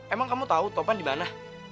emang kamu tau topan dimana